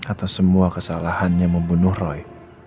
atas semua kesalahannya membunuh roy